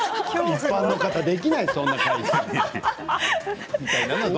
一般の方、できないそんな返し。